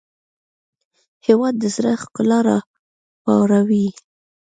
هېواد د زړه ښکلا راپاروي.